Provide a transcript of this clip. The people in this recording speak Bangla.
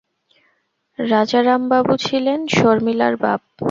রাজারামবাবু ছিলেন শর্মিলার বাপ।